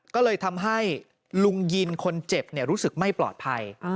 ก็เลยทำให้ลุงยินคนเจ็บรู้สึกไม่ปลอดภัย